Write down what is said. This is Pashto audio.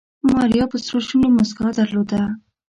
ماريا په سرو شونډو موسکا درلوده.